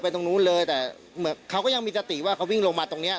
ตรงนู้นเลยแต่เหมือนเขาก็ยังมีสติว่าเขาวิ่งลงมาตรงเนี้ย